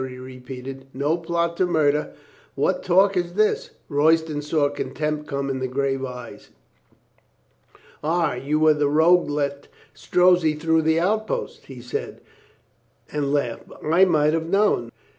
he repeated. "No plot to mur der? What talk is this?" Royston saw contempt come in the grave eyes. "Ah, you were the rogue let Strozzi through the outposts," he said and laughed. "I might have known.